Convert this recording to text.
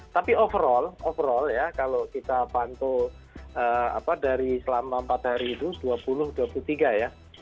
jadi overall ya kalau kita pantul dari selama empat hari itu dua puluh dua puluh tiga ya